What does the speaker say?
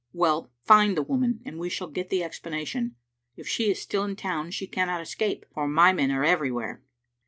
" Well, find the woman, and we shall get the explana tion. If she is still in the town she cannot escape, for my men are everywhere."